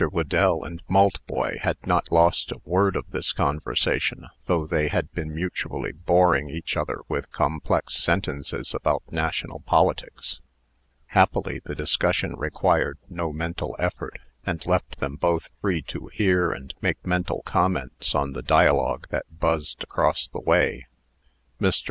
Whedell and Maltboy had not lost a word of this conversation, though they had been mutually boring each other with complex sentences about national politics. Happily, the discussion required no mental effort, and left them both free to hear and make mental comments on the dialogue that buzzed across the way. Mr.